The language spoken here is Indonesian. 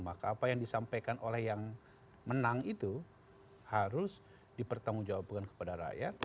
maka apa yang disampaikan oleh yang menang itu harus dipertanggungjawabkan kepada rakyat